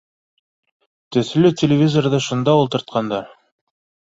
Төҫлө телевизорҙы шунда ултыртҡандар